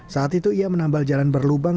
saat itu ia menambal jalan berlubang